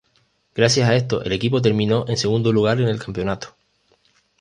Gracias a esto el equipo terminó en segundo lugar en el campeonato.